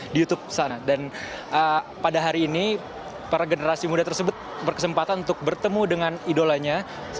dan pada hari ini para generasi muda tersebut berkesempatan untuk bertemu dengan idolanya